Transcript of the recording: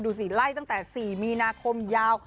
สิไล่ตั้งแต่๔มีนาคมยาว